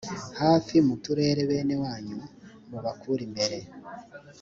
hafi muterure bene wanyu mubakure imbere